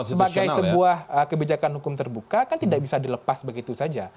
sebagai sebuah kebijakan hukum terbuka kan tidak bisa dilepas begitu saja